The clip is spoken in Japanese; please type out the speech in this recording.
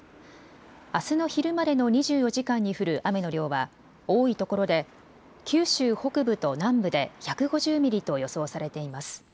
あすの昼までの２４時間に降る雨の量は多いところで九州北部と南部で１５０ミリと予想されています。